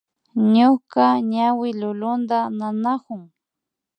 Ñuka ñawi lulunta nanakun